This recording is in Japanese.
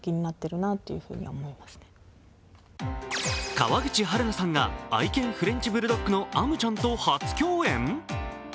川口春奈さんが愛犬フレンチブルドッグのアムちゃんと初共演？